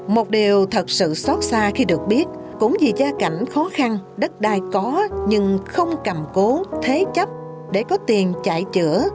một điều thật sự xót xa khi được biết cũng vì gia cảnh khó khăn đất đai có nhưng không cầm cố thế chấp để có tiền chạy chữa